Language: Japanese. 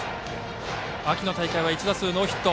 秋の大会は１打数ノーヒット。